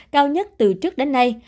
cao nhất từ trước đến nay